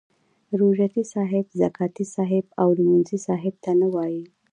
روژه تي صاحب، زکاتې صاحب او لمونځي صاحب نه وایي.